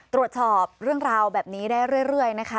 ตรวจสอบเรื่องราวแบบนี้ได้เรื่อยนะคะ